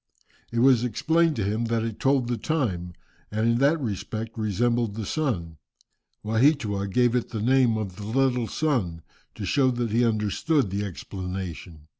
It was explained to him that it told the time, and in that respect resembled the sun. Waheatua gave it the name of the "little sun," to show that he understood the explanation.